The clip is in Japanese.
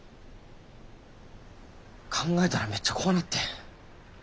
考えたらめっちゃ怖なって。